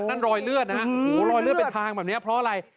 รอยเลือดนะฮะโอ้โหรอยเลือดเป็นทางแบบนี้เพราะอะไร